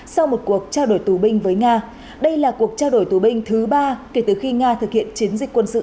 sau một cuộc trao đổi tù binh với nga đây là cuộc trao đổi tù binh thứ ba kể từ khi nga thực hiện chiến dịch quân sự